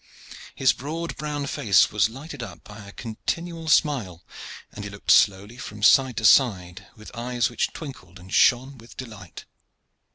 His broad, brown face was lighted up by a continual smile, and he looked slowly from side to side with eyes which twinkled and shone with delight.